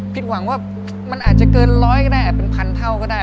หวังว่ามันอาจจะเกินร้อยก็ได้เป็นพันเท่าก็ได้